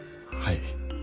はい。